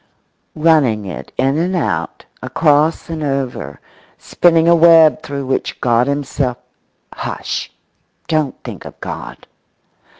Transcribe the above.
Running it in and out, across and over, spinning a web through which God himself—hush, don't think of God!